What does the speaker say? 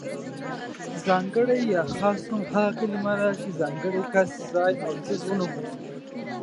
ځانګړی يا خاص نوم هغه کلمه ده چې ځانګړی کس، ځای او څیز ونوموي.